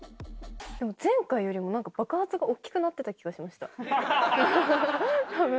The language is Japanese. でも前回よりもなんか爆発が大きくなってた気がしました、たぶん。